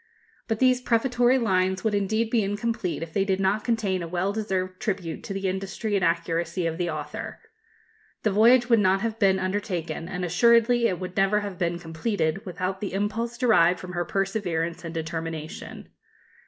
But these prefatory lines would indeed be incomplete if they did not contain a well deserved tribute to the industry and accuracy of the author. The voyage would not have been undertaken, and assuredly it would never have been completed, without the impulse derived from her perseverance and determination.